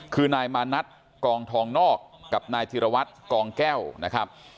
คือนายมานัดกองทองนอกกับนายธิรวัตรกองแก้วนะครับ